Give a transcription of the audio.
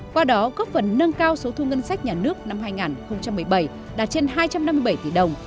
qua đó góp phần nâng cao số thu ngân sách nhà nước năm hai nghìn một mươi bảy đạt trên hai trăm năm mươi bảy tỷ đồng